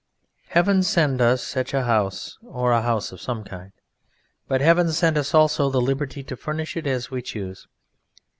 Heaven send us such a house, or a house of some kind; but Heaven send us also the liberty to furnish it as we choose.